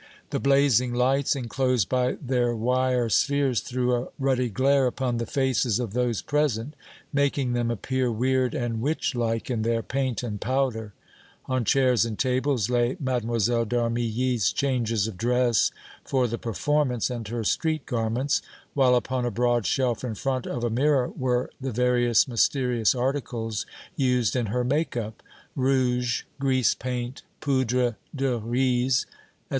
The blazing lights, enclosed by their wire spheres, threw a ruddy glare upon the faces of those present, making them appear weird and witch like in their paint and powder. On chairs and tables lay Mlle. d' Armilly's changes of dress for the performance and her street garments, while upon a broad shelf in front of a mirror were the various mysterious articles used in her make up rouge, grease paint, poudre de riz, etc.